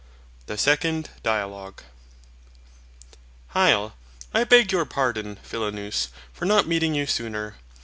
THE SECOND DIALOGUE HYL. I beg your pardon, Philonous, for not meeting you sooner.